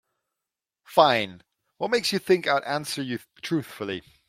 Fine, what makes you think I'd answer you truthfully?